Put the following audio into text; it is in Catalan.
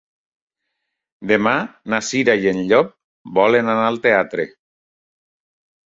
Demà na Cira i en Llop volen anar al teatre.